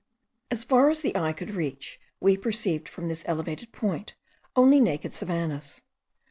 As far as the eye could reach, we perceived, from this elevated point, only naked savannahs.